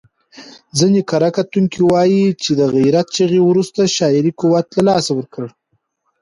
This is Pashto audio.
ځینې کره کتونکي وايي چې د غیرت چغې وروسته شاعري قوت له لاسه ورکړ.